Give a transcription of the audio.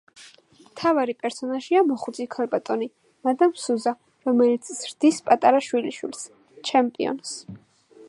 მთავარი პერსონაჟია მოხუცი ქალბატონი, მადამ სუზა, რომელიც ზრდის პატარა შვილიშვილს, ჩემპიონს.